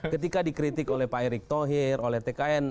ketika dikritik oleh pak erick thohir oleh tkn